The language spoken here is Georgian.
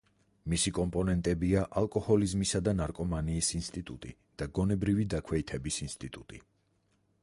მისი კომპონენტებია ალკოჰოლიზმისა და ნარკომანიის ინსტიტუტი და გონებრივი დაქვეითების ინსტიტუტი.